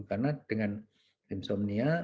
karena dengan insomnia